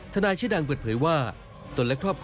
รักษณะที่จะมีความคิดขึ้นกับคุณ